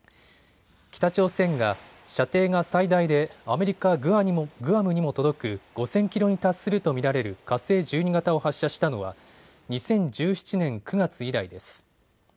北朝鮮が射程が最大でアメリカ・グアムにも届く５０００キロに達すると見られる火星１２型を発射したのは２０１７年９月以来です。